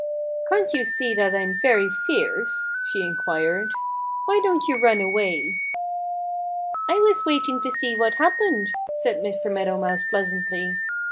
"Can't you see I'm very fierce?" she inquired. "Why don't you run away?" "I was waiting to see what happened," said Master Meadow Mouse pleasantly.